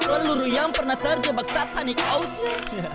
seluruh yang pernah terjebak satanik ausya